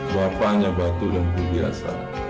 bapak hanya batuk dan berbiasa